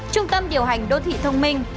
trung tâm điều hành đô thị thông minh